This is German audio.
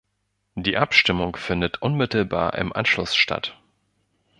Die Abstimmung findet unmittelbar im Anschluss statt.